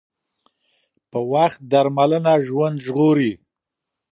پر وخت درملنه ژوند ژغوري